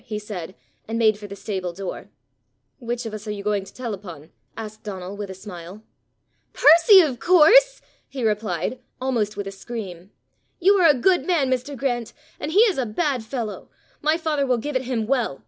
he said, and made for the stable door. "Which of us are you going to tell upon?" asked Donal with a smile. "Percy, of course!" he replied, almost with a scream. "You are a good man, Mr. Grant, and he is a bad fellow. My father will give it him well.